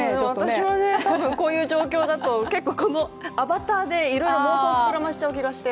私はたぶん、こういう状況だと結構、アバターでいろいろ妄想を膨らませちゃう気がして。